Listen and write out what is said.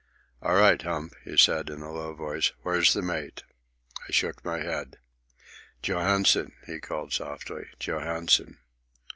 "All right, Hump," he said in a low voice. "Where's the mate?" I shook my head. "Johansen!" he called softly. "Johansen!"